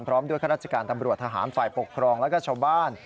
พร้อมด้วยข้าราชการตำรวจทหารฝ่ายปกครองแล้วก็ชาวบ้าน